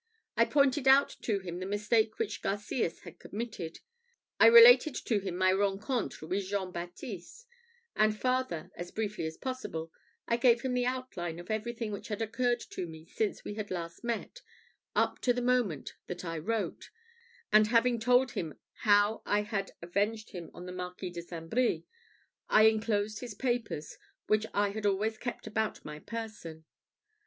I pointed out to him the mistake which Garcias had committed; I related to him my rencontre with Jean Baptiste; and farther, as briefly as possible, I gave him the outline of everything which had occurred to me since we had last met, up to the moment that I wrote; and having told him how I had avenged him on the Marquis de St. Brie, I enclosed his papers, which I had always kept about my person.